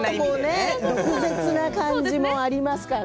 複雑な感じもありますからね。